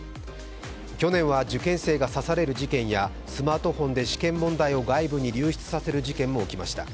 去年は受験生が刺される事件やスマートフォンで試験問題を外部に流出させる事件も起きました。